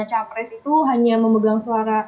capres itu hanya memegang suara